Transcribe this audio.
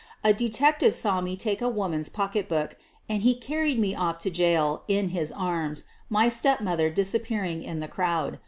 A de tective saw me take a woman's pocketbook and he carried me off to jail in his arms, my stepmother dis appearing in the crowd.